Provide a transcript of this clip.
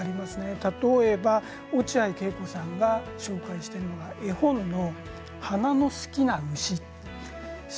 例えば、落合恵子さんが紹介しているのが絵本の「はなのすきなうし」という本です。